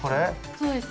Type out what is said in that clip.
そうです。